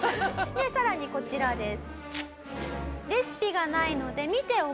さらにこちらです。